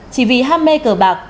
chỉ vì ham mê cờ bạc